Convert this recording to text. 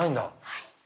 はい。